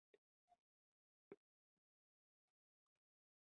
یو لړ پرانیستي اقتصادي بنسټونه یې لرل